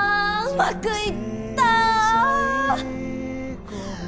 うまくいったぁ！